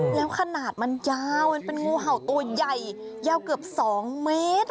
แล้วขนาดมันยาวมันเป็นงูเห่าตัวใหญ่ยาวเกือบ๒เมตร